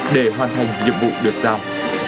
để hoàn thành nhiệm vụ được sao